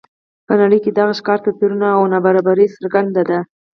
په نړۍ کې دغه ښکاره توپیرونه او نابرابري څرګنده ده.